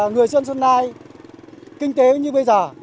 người xuân xuân lai kinh tế như bây giờ